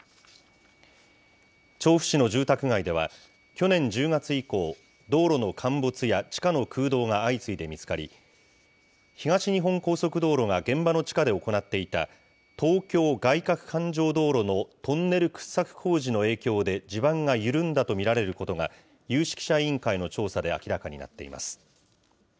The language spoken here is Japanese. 調布市の住宅街では、去年１０月以降、道路の陥没や地下の空洞が相次いで見つかり、東日本高速道路が現場の地下で行っていた東京外かく環状道路のトンネル掘削工事の影響で、地盤が緩んだと見られることが、有識者委員会の調査で明らかになっています。